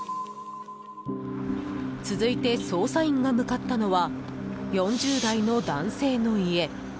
続いて、捜査員が向かったのは４０代の男性の家。